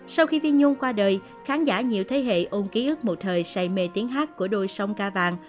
sau khi viên nhung qua đời khán giả nhiều thế hệ ôn ký ức một thời say mê tiếng hát của đôi sông ca vàng